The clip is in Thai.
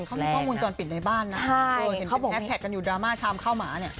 เขามีข้อมูลจรปิดในบ้านนะเห็นเขาบอกแท็กกันอยู่ดราม่าชามข้าวหมาเนี่ย